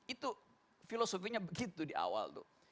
itu filosofinya begitu di awal tuh